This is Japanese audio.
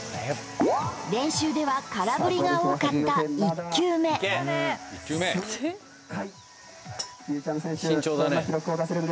練習では空振りが多かった１球目ゆうちゃみ